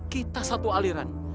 kita satu aliran